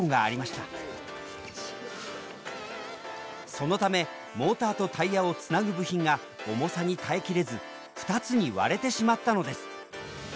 そのためモーターとタイヤをつなぐ部品が重さに耐えきれず２つに割れてしまったのです。